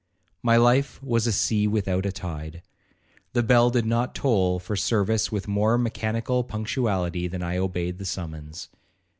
My life was a sea without a tide. The bell did not toll for service with more mechanical punctuality than I obeyed the summons.